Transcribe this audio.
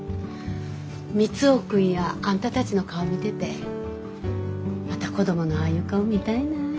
三生君やあんたたちの顔見ててまた子供のああいう顔見たいなあ。